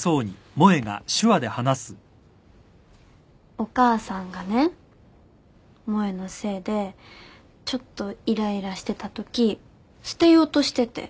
お母さんがね萌のせいでちょっとイライラしてたとき捨てようとしてて。